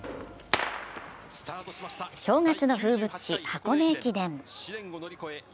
正月の風物詩、箱根駅伝。